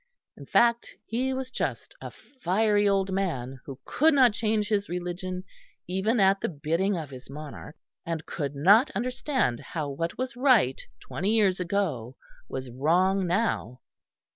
In fact, he was just a fiery old man who could not change his religion even at the bidding of his monarch, and could not understand how what was right twenty years ago was wrong now.